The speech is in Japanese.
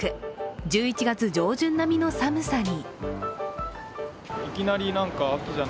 １１月上旬並みの寒さに。